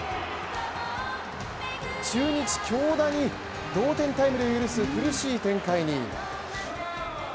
中日・京田に同点タイムリーを許す苦しい展開に。